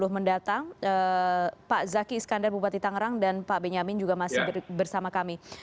mendatang pak zaki iskandar bupati tangerang dan pak benyamin juga masih bersama kami